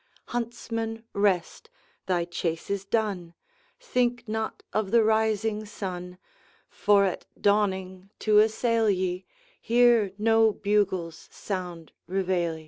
Huntsman, rest! thy chase is done; Think not of the rising sun, For at dawning to assail ye Here no bugles sound reveille.'